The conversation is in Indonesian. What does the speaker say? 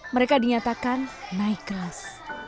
mereka dinyatakan naik kelas